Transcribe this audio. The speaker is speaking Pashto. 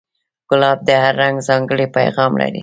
ګلاب د هر رنگ ځانګړی پیغام لري.